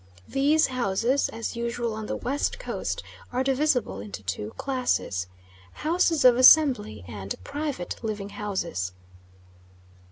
These houses, as usual on the West Coast, are divisible into two classes houses of assembly, and private living houses.